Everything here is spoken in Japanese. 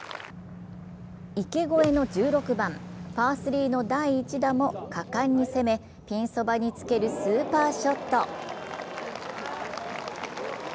池越えの１６番、パー３の第１打も果敢に攻めピンそばにつけるスーパーショット。